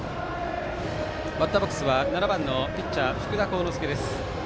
バッターボックスは７番、ピッチャーの福田幸之介。